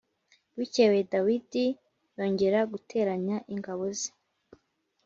Bukeye Dawidi yongera guteranya ingabo zose